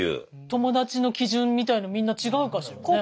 友達の基準みたいのみんな違うかしらね。